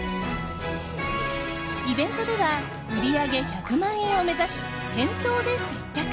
イベントでは売り上げ１００万円を目指し店頭で接客。